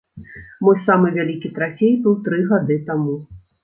Мой самы вялікі трафей быў тры гады таму.